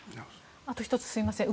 あと１つ、すいません